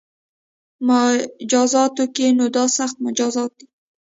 مجازاتو کې نو دا سخت مجازات دي